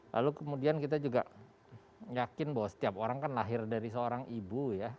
lalu kemudian kita juga yakin bahwa setiap orang kan lahir dari seorang ibu ya